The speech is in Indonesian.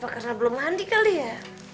karena belum mandi kali ya